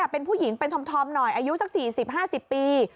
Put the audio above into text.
เป็นผู้หญิงเป็นธอมหน่อยอายุสัก๔๐๕๐ปี